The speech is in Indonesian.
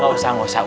gak usah gak usah